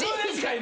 今。